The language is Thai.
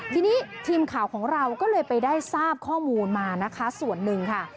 ทีนี้ทีมข่าวของเราก็เลยไปได้ทราบข้อมูลมานะคะส่วนหนึ่งค่ะ